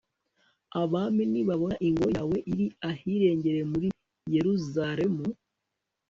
abami nibabona ingoro yawe iri ahirengeye muri yeruzalemu